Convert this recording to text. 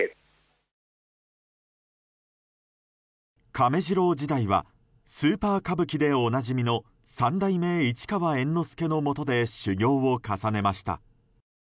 亀治郎時代はスーパー歌舞伎でおなじみの三代目市川猿之助のもとで修業を重ねました。